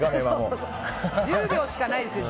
１０秒しかないですよ！